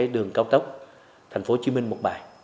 thường cao tốc tp hcm một bài